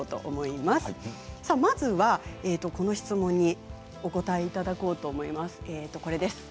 まずはこの質問にお答えをいただこうと思います。